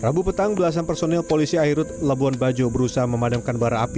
rabu petang belasan personil polisi airut labuan bajo berusaha memadamkan barang api